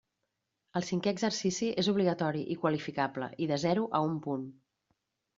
El cinquè exercici és obligatori i qualificable i de zero a un punt.